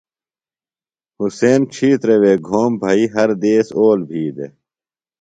حُسین ڇِھیتر وے گھوم بھئی ہر دیس اول بھی دےۡ۔